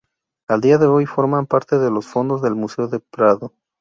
A día de hoy, forman parte de los fondos del Museo del Prado.